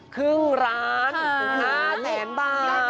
ครึ่งร้าน